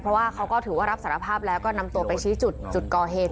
เพราะว่าเขาก็ถือว่ารับสารภาพแล้วก็นำตัวไปชี้จุดก่อเหตุ